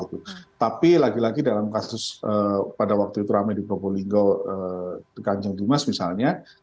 tapi lagi lagi dalam kasus pada waktu itu rame di populinggo ganjang dumas misalnya